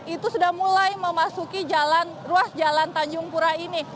itu sudah mulai memasuki ruas jalan tanjung pura ini